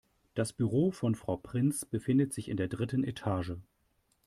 Das Büro von Frau Prinz befindet sich in der dritten Etage.